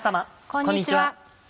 こんにちは。